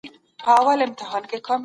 احمد شاه ابدالي خپل حکومت څنګه پیل کړ؟